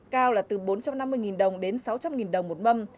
cao là từ bốn trăm năm mươi nghìn đồng đến sáu trăm linh nghìn đồng một mâm